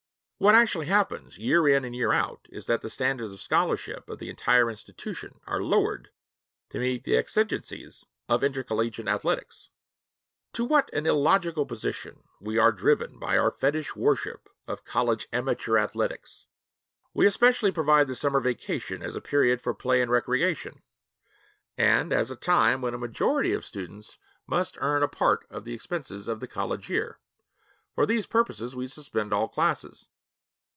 What actually happens, year in and year out, is that the standards of scholarship of the entire institution are lowered to meet the exigencies of intercollegiate athletics. To what an illogical position we are driven by our fetish worship of college 'amateur athletics'! We especially provide the summer vacation as a period for play and recreation, and as a time when a majority of students must earn a part of the expenses of the college year. For these purposes we suspend all classes.